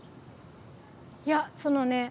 いやそのね